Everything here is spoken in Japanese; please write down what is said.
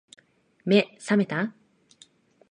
目、さめた？